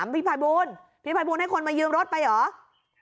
พี่ภัยบูลให้คนมายืมรถไปเหรอ